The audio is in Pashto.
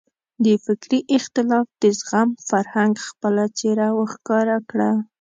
د فکري اختلاف د زغم فرهنګ خپله څېره وښکاره کړه.